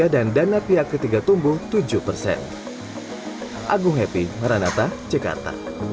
dua ribu dua puluh tiga dan dana pihak ketiga tumbuh tujuh persen